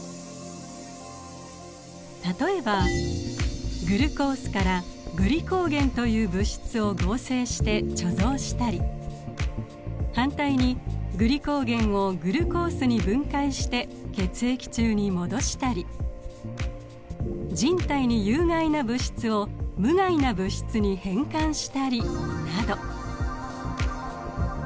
例えばグルコースからグリコーゲンという物質を合成して貯蔵したり反対にグリコーゲンをグルコースに分解して血液中に戻したり人体に有害な物質を無害な物質に変換したりなど。